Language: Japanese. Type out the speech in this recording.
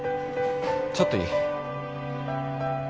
ちょっといい？